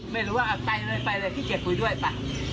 ไม่รู้ว่าไปเลยไปเลยพี่เก็บคุยด้วยป่ะ